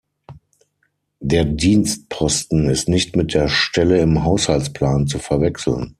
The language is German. Der Dienstposten ist nicht mit der "Stelle" im Haushaltsplan zu verwechseln.